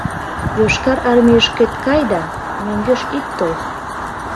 Йошкар Армийышкет кай да мӧҥгеш ит тол!